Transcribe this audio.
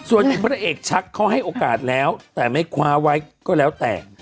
ส่วนที่พระเอกชักเขาให้โอกาสแล้วแต่ไม่คว้าไว้ก็แล้วแต่